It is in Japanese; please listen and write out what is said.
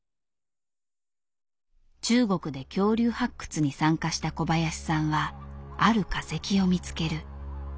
中国で恐竜発掘に参加した小林さんはある化石を見つける。